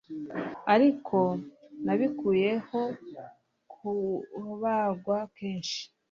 ariko nabikuyeho kubagwa kenshi